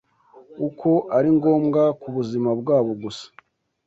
uko ari ngombwa ku buzima bwabo gusa